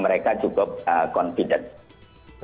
mereka juga confident